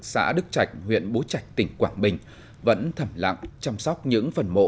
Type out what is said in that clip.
xã đức trạch huyện bố trạch tỉnh quảng bình vẫn thẩm lặng chăm sóc những phần mộ